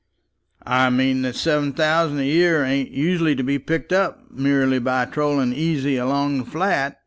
"I mean that seven thousand a year ain't usually to be picked up merely by trotting easy along the flat.